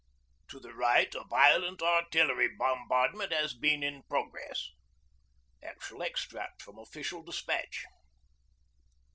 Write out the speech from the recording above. to the right a violent artillery bombardment has been in progress._' ACTUAL EXTRACT FROM OFFICIAL DESPATCH.